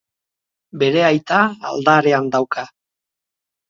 Bere aita aldarean dauka.